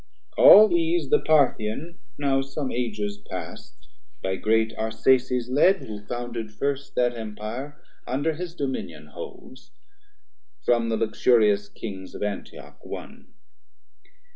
All these the Parthian, now some Ages past, By great Arsaces led, who founded first That Empire, under his dominion holds From the luxurious Kings of Antioch won.